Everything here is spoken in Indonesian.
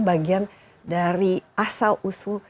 bagian dari asal usul